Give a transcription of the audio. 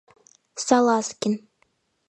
— Салазкин.